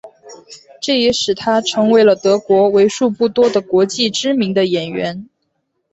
这也使他成为了德国为数不多的国际知名的演员。